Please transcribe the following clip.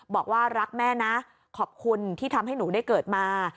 บอกว่ารักแม่นะขอบคุณที่ทำให้หนูได้เกิดมา